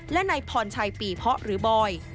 และนายพรชัยปีเพาะหรือบอย